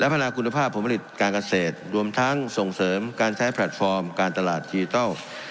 พัฒนาคุณภาพผลผลิตการเกษตรรวมทั้งส่งเสริมการใช้แพลตฟอร์มการตลาดทีทัล